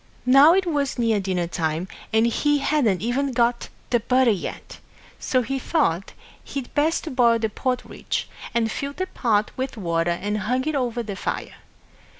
Now it was near dinner time, and he hadn't even got the butter yet; so he thought he'd best boil the porridge, and filled the pot with water and hung it over the fire.